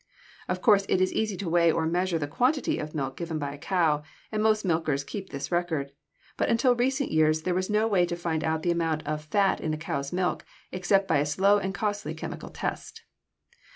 Of course it is easy to weigh or measure the quantity of milk given by a cow, and most milkers keep this record; but until recent years there was no way to find out the amount of fat in a cow's milk except by a slow and costly chemical test.